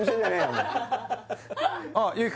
お前